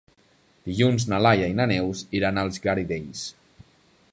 Dilluns na Laia i na Neus iran als Garidells.